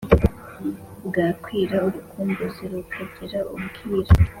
Bwakwira urukumbuzi rukagira ubwira